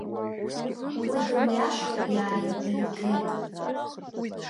Уи дымҩашьо иааилиргеит.